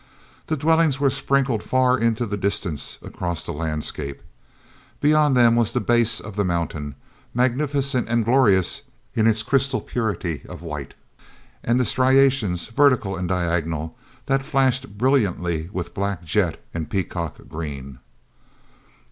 The dwellings were sprinkled far into the distance across the landscape. Beyond them was the base of the mountain, magnificent and glorious in its crystal purity of white, and the striations, vertical and diagonal, that flashed brilliantly with black jet and peacock green.